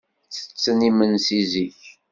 Ttetten imensi zik.